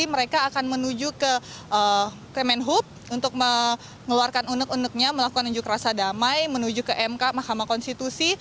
irti mereka akan menuju ke permen hub untuk mengeluarkan unuk unuknya melakukan unjuk rasa damai menuju ke mk mahkamah konstitusi